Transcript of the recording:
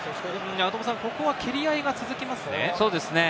ここは蹴り合いが続きますね。